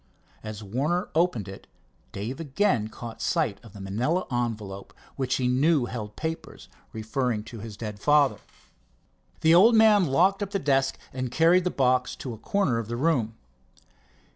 As Warner opened it, Dave again caught sight of the manilla envelope which he knew held papers referring to his dead father. The old man locked up the desk and carried the box to a corner of the room.